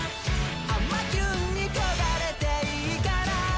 甘キュンに焦がれていいかな？